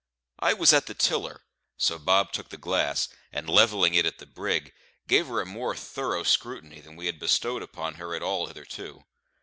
I was at the tiller; so Bob took the glass, and levelling it at the brig, gave her a more thorough scrutiny than we had bestowed upon her at all hitherto.